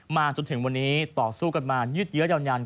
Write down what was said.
จนถึงวันนี้ต่อสู้กันมายืดเยอะยาวนาน